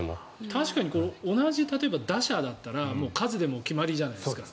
確かに同じ打者だったら数で決まりじゃないですか。